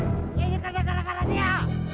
tidak betul ini karena cabu karang dia